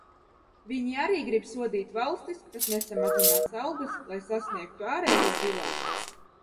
Viņi arī grib sodīt valstis, kas nesamazinās algas, lai sasniegtu ārējo bilanci.